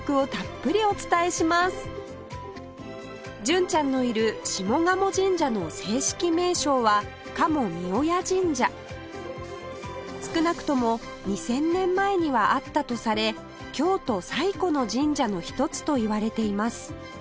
純ちゃんのいる下鴨神社の正式名称は少なくとも２０００年前にはあったとされ京都最古の神社の一つといわれています